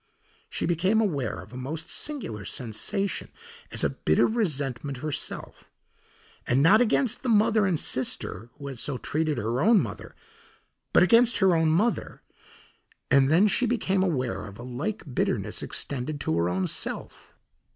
She became aware of a most singular sensation as of bitter resentment herself, and not against the mother and sister who had so treated her own mother, but against her own mother, and then she became aware of a like bitterness extended to her own self.